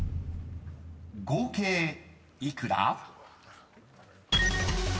［合計幾ら？］